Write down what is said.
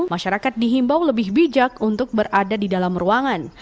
masyarakat dihimbau lebih bijak untuk berada di dalam ruangan